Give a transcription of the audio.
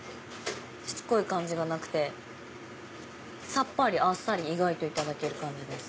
しつこい感じがなくてさっぱりあっさり意外といただける感じです。